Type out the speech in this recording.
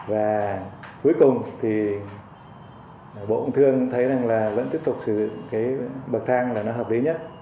và cuối cùng bộ bình thường thấy là vẫn tiếp tục sử dụng bậc thang là nó hợp lý nhất